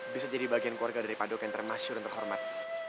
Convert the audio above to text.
bisa jadi bagian keluarga dari pak dok yang termasyur dan terhormat